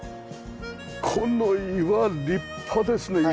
この岩立派ですね石。